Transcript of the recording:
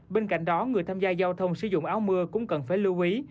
bên cạnh đó người tham gia giao thông sử dụng áo mưa cũng cần phải lưu ý